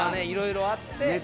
いろいろあって。